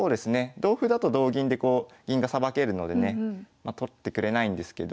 同歩だと同銀で銀がさばけるのでね取ってくれないんですけど。